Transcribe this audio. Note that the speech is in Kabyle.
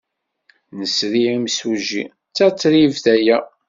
Nesri imsujji. D tatribt aya.